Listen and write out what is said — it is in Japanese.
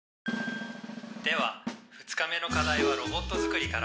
「では２日目の課題はロボットづくりから。